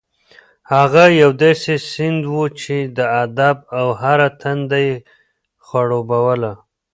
هغه یو داسې سیند و چې د ادب هره تنده یې خړوبوله.